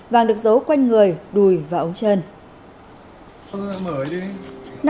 vàng được dấu quanh người đùi và ống chân